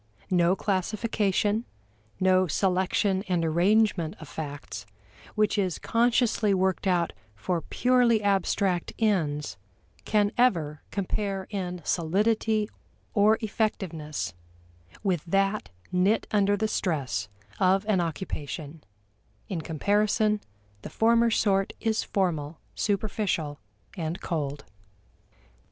No classification, no selection and arrangement of facts, which is consciously worked out for purely abstract ends, can ever compare in solidity or effectiveness with that knit under the stress of an occupation; in comparison the former sort is formal, superficial, and cold.